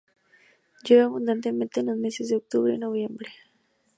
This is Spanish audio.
Llueve abundantemente en los meses de Octubre y Noviembre.